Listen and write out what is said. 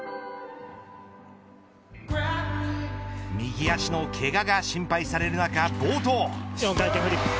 右足のけがが心配される中冒頭。